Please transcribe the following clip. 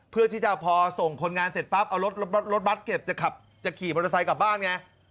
เพื่อที่จะพอส่งคนงานเสร็จปั๊บเอารถบัตรเก็บจะขี่มอเตอร์ไซค์กลับบ้านไง